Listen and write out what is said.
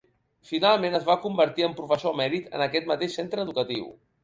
Finalment, es va convertir en professor emèrit en aquest mateix centre educatiu.